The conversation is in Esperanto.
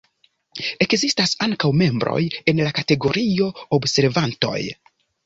Ekzistas ankaŭ membroj en la kategorio 'observantoj'.